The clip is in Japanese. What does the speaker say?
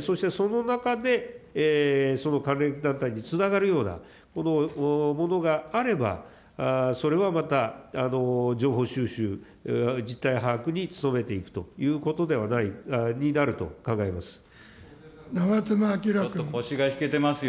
そしてその中で、その関連団体につながるような、このものがあれば、それはまた情報収集、実態把握に努めていくということになると考えます。